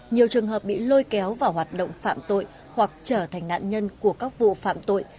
nhiều trường hợp bị lôi kéo vào hoạt động phạm tội hoặc trở thành nạn nhân của các vụ phạm tội